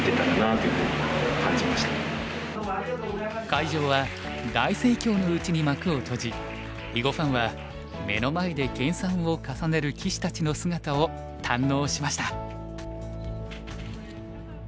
会場は大盛況のうちに幕を閉じ囲碁ファンは目の前で研さんを重ねる棋士たちの姿を堪能しました。